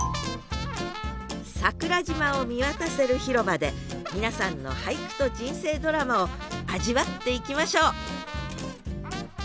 桜島を見渡せる広場で皆さんの俳句と人生ドラマを味わっていきましょう！